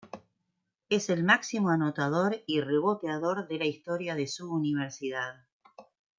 Es el máximo anotador y reboteador de la historia de su universidad.